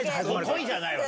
恋じゃない！